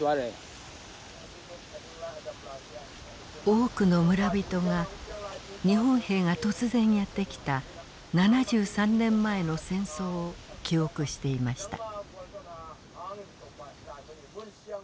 多くの村人が日本兵が突然やって来た７３年前の戦争を記憶していました。